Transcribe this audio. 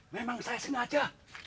memang saya sengaja